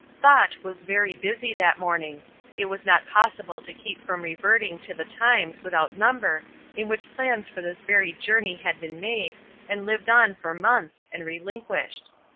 Thought was very busy that morning. It was not possible to keep from reverting to the times without number in which plans for this very journey had been made, and lived on for months, and relinquished.